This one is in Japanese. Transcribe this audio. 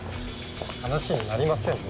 話になりませんね。